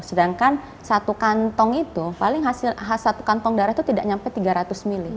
sedangkan satu kantong itu paling hasil satu kantong darah itu tidak sampai tiga ratus ml